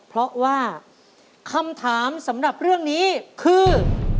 เพราะว่าคำถามสำหรับเรื่องนี้คือ